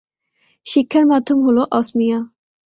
শিক্ষার মাধ্যম হল অসমীয়া।